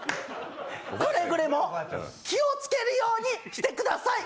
くれぐれも気をつけるようにしてください。